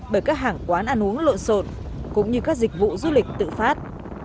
bởi các hàng quán ăn uống lộn xộn cũng như các dịch vụ du lịch tự phát